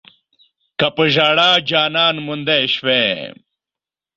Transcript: که پۀ ژړا جانان موندی شوی